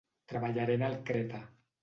Treballaré en el Creta.